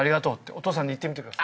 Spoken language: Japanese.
お父さんに言ってみてください。